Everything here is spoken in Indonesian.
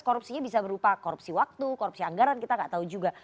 korupsinya bisa berupa korupsi waktu korupsi anggaran kita nggak tahu juga